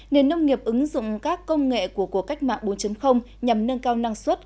nền nông nghiệp ứng dụng các công nghệ của cuộc cách mạng bốn nhằm nâng cao năng suất